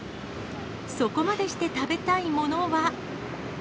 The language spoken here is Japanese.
そこまでして食べたいものは。